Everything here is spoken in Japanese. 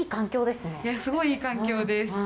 すごいいい環境です。